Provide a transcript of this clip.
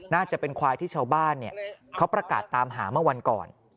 น่าจะเป็นควายที่ชาวบ้านเขาประกาศตามหาเมื่อวันก่อน